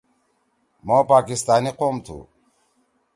مھو پاکستانی قوم تُھو۔